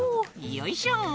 よいしょ！